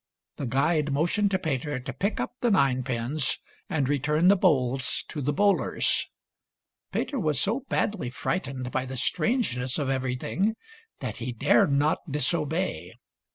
The guide motioned to Peter to pick up the nine pins and return the bowls to the bowlers. Peter was so badly frightened by the strangeness of every thing that he dared not disobey.